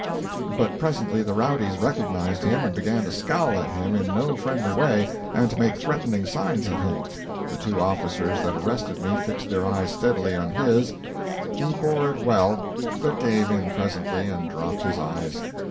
But presently the rowdies recognised him and began to scowl at him in no friendly way, and to make threatening signs at him. The two officers that arrested me fixed their eyes steadily on his; he bore it well, but gave in presently, and dropped his eyes.